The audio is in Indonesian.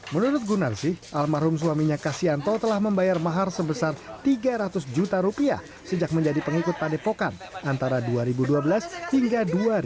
menurut gunar sih almarhum suaminya kasianto telah membayar mahar sebesar tiga ratus juta rupiah sejak menjadi pengikut tadef pocan antara dua ribu dua belas hingga dua ribu lima belas